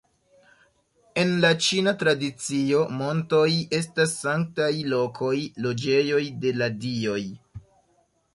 En la ĉina tradicio, montoj estas sanktaj lokoj, loĝejoj de la dioj.